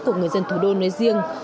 của người dân thủ đô nói riêng